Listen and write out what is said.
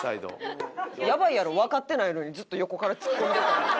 やばいやろわかってないのにずっと横からツッコんでたら。